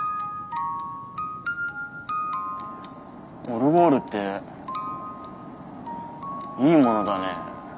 オルゴールっていいものだねえ。